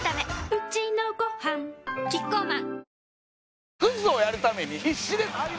うちのごはんキッコーマン